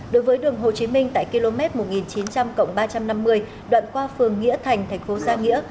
đối với đường hồ chí minh tại km một nghìn chín trăm linh ba trăm năm mươi đoạn qua phường nghĩa thành thành phố gia nghĩa